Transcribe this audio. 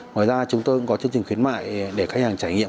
ngoài ra chúng tôi cũng có chương trình khuyến mại để khách hàng trải nghiệm